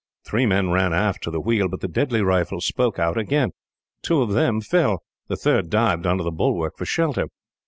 Three men ran aft to the wheel, but the deadly rifles spoke out again. Two of them fell. The third dived under the bulwark, for shelter.